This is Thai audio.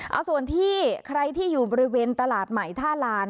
เอาส่วนที่ใครที่อยู่บริเวณตลาดใหม่ท่าลาน